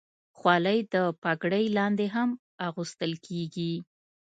خولۍ د پګړۍ لاندې هم اغوستل کېږي.